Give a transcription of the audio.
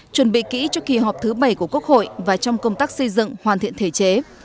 chuẩn bị kỹ cho kỳ họp thứ bảy của quốc hội và trong công tác xây dựng hoàn thiện thể chế